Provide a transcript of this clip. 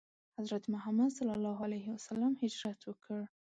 حضرت محمد ﷺ هجرت وکړ.